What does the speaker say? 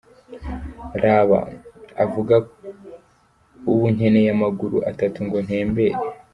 "Raba", avuga, "ubu nkeneye amaguru atatu ngo ntembere!".